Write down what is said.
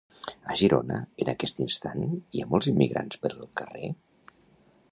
A Girona en aquest instant hi ha molts immigrats per el carrer?